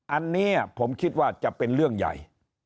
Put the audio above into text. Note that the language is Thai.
อันนี้ผมคิดว่าจะเป็นเรื่องใหญ่